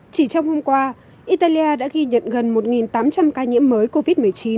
chỉ trong hôm qua italia đã ghi nhận gần một tám trăm linh ca nhiễm mới covid một mươi chín